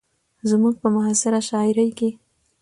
زموږ په معاصره شاعرۍ کې